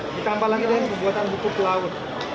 ditambah lagi dengan pembuatan buku pelaut